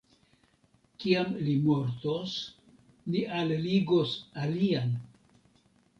Kiam li mortos, ni alligos alian!